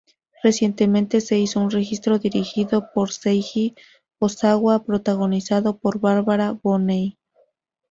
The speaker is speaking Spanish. Recientemente se hizo un registro dirigido por Seiji Ozawa protagonizado por Barbara Bonney.